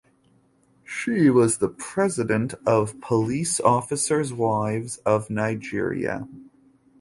She was the president of Police Officers wives of Nigeria.